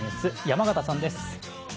山形さんです。